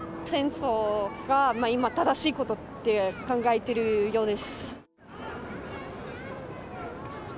戦争が今、正しいことって考えているようです。